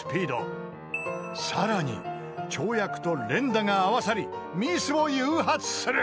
［さらに跳躍と連打が合わさりミスを誘発する］